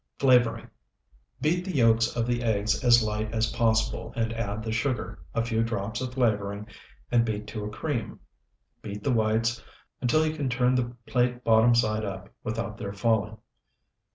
Flavoring. Beat the yolks of the eggs as light as possible, and add the sugar, a few drops of flavoring, and beat to a cream. Beat the whites until you can turn the plate bottom side up, without their falling.